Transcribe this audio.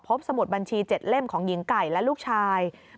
สมุดบัญชี๗เล่มของหญิงไก่และลูกชาย